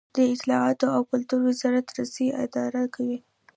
د اطلاعاتو او کلتور وزارت رسنۍ اداره کوي